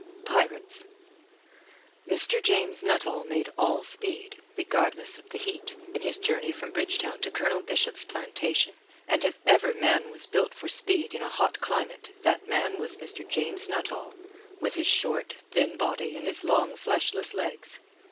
PIRATES Mr. James Nuttall made all speed, regardless of the heat, in his journey from Bridgetown to Colonel Bishop's plantation, and if ever man was built for speed in a hot climate that man was Mr. James Nuttall, with his short, thin body, and his long, fleshless legs.